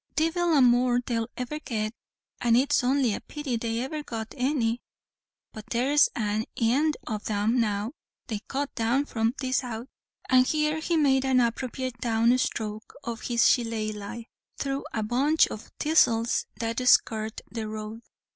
"Divil a more they'll ever get, and it's only a pity they ever got any but there's an ind o' them now they're cut down from this out," and here he made an appropriate down stroke of his shillelah through a bunch of thistles that skirted the road.